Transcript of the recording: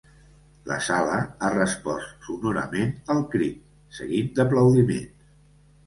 La sala ha respost sonorament al crit, seguit d’aplaudiments.